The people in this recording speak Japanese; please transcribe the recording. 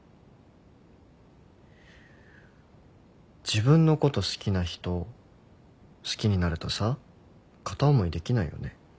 自分のこと好きな人好きになるとさ片思いできないよね。